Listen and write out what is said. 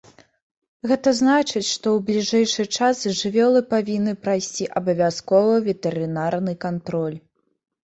Гэта значыць, што ў бліжэйшы час жывёлы павінны прайсці абавязковы ветэрынарны кантроль.